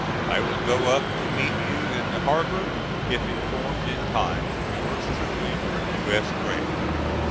I will go up to meet you in the harbor if informed in time. Yours truly, U.S. GRANT.